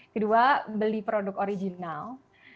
kedua beli produk original